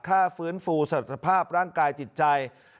ค่าฟื้นฟูสราภาพร่างกายจิตใจ